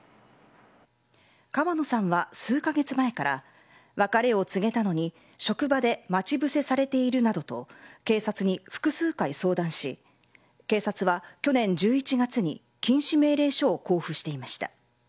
川野さんは数カ月前から別れを告げたのに職場で待ち伏せされているなどと警察に複数回相談し警察は去年１１月に禁止命令書を交付していました。